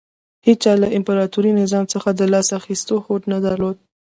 هېچا له امپراتوري نظام څخه د لاس اخیستو هوډ نه درلود